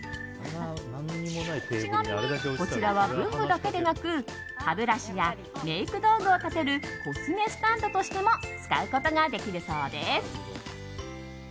ちなみにこちらは文具だけでなく歯ブラシやメイク道具を立てるコスメスタンドとしても使うことができるそうです。